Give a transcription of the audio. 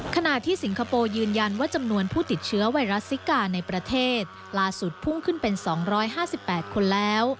ขณะที่สิงคโปร์ยืนยันว่าจำนวนผู้ติดเชื้อไวรัสซิกาในประเทศล่าสุดพุ่งขึ้นเป็น๒๕๘คนแล้ว